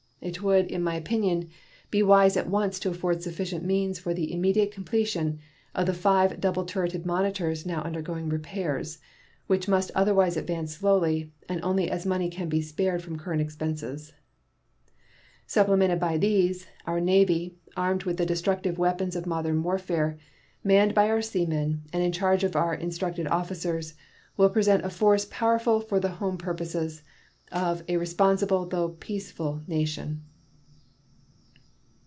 It would, in my opinion, be wise at once to afford sufficient means for the immediate completion of the five double turreted monitors now undergoing repairs, which must otherwise advance slowly, and only as money can be spared from current expenses. Supplemented by these, our Navy, armed with the destructive weapons of modern warfare, manned by our seamen, and in charge of our instructed officers, will present a force powerful for the home purposes of a responsible though peaceful nation.